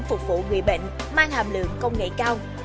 các sản phẩm phục vụ người bệnh mang hàm lượng công nghệ cao